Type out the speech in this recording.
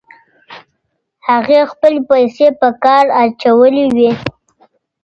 هغې خپلې پیسې په کار اچولې وې.